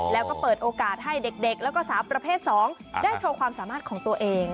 แล้วก็เปิดโอกาสให้เด็กแล้วก็สาวประเภท๒ได้โชว์ความสามารถของตัวเอง